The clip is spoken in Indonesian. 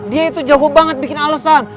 dia itu jago banget bikin alesan